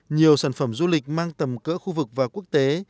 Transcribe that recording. nhiều sản phẩm du lịch mang tầm cỡ khu vực và quốc tế